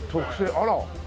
あら。